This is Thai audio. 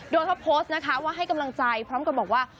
โดยเขาโพสต์นะคะว่าให้กำลังใจพร้อมกับบอกว่า